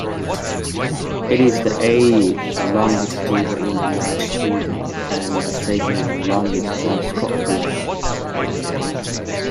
It is the eighth-longest river in the United Kingdom, and the second-longest in Scotland.